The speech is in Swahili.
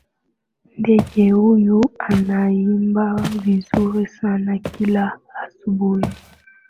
Ndege huyu anaimba vizuri sana kila asubuhi.